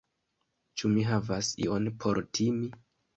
Ĉu mi havas ion por timi?